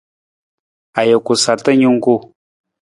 Ajuku sarta jungku.